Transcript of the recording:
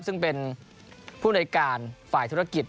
ซึ่งเป็นผู้ในการฝ่ายธุรกิจ